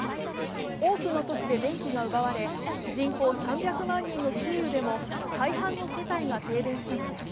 多くの都市で電気が奪われ、人口３００万人のキーウでも、大半の世帯が停電したのです。